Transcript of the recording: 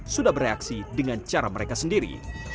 sudah bereaksi dengan cara mereka sendiri